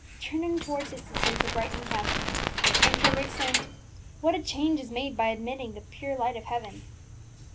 Turning towards his sister with a brightening countenance, young Trevor exclaimed, "What a change is made by admitting the pure light of heaven!"